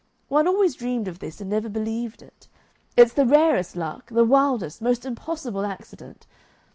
One always dreamed of this and never believed it. It's the rarest luck, the wildest, most impossible accident.